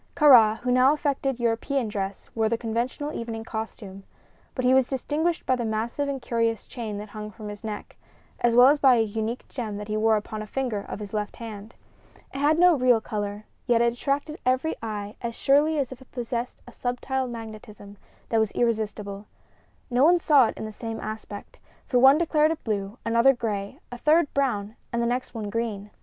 Kāra, who now affected European dress, wore the conventional evening costume; but he was distinguished by the massive and curious chain that hung from his neck, as well as by a unique gem that he wore upon a finger of his left hand. It had no real color, yet it attracted every eye as surely as if it possessed a subtile magnetism that was irresistible. No one saw it in the same aspect, for one declared it blue, another gray, a third brown and the next one green.